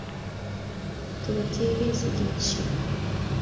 Togo tiegei sigik chik